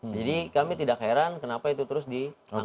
jadi kami tidak heran kenapa itu terus di